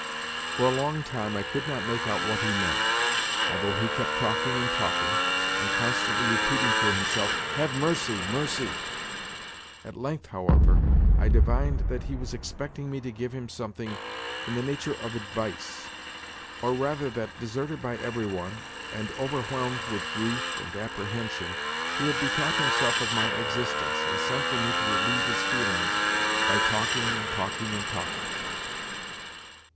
For a long time I could not make out what he meant, although he kept talking and talking, and constantly repeating to himself, "Have mercy, mercy!" At length, however, I divined that he was expecting me to give him something in the nature of advice—or, rather, that, deserted by every one, and overwhelmed with grief and apprehension, he had bethought himself of my existence, and sent for me to relieve his feelings by talking and talking and talking.